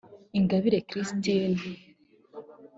Ingabire Christine